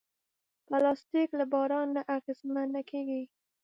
پلاستيک له باران نه اغېزمن نه کېږي.